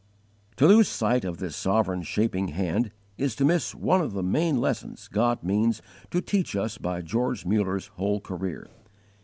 To lose sight of this sovereign shaping Hand is to miss one of the main lessons God means to teach us by George Muller's whole career.